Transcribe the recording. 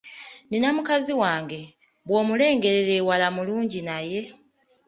Nnina mukazi wange, bw’omulengerera ewala mulungi naye!